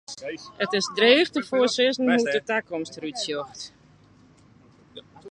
It is dreech te foarsizzen hoe't de takomst der út sjocht.